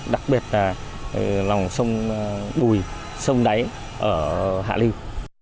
đặc biệt là lòng sông bùi sông đáy ở hạ liêu